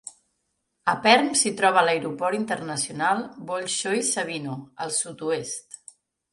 A Perm s'hi troba l'aeroport internacional Bolshoye Savino, al sud-oest.